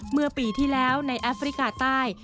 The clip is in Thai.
เมื่อปีที่แล้วในแอฟริกาใต้